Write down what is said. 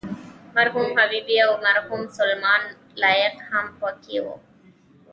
مرحوم حبیبي او مرحوم سلیمان لایق هم په کې وو.